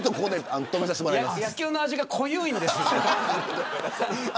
野球の味が濃ゆいんです。